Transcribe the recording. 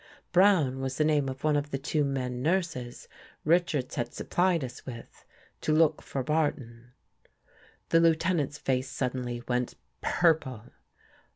Brown was the name of one of the two men nurses Richards had supplied us with to look for Barton. The Lieutenant's face suddenly went purple.